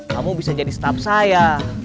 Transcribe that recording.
kamu bisa jadi staff saya